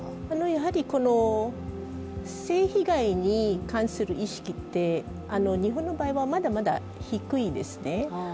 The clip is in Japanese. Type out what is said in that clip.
やはり、この性被害に関する意識って日本の場合はまだまだ低いですね。